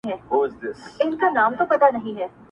ورور د وجدان جګړه کوي دننه-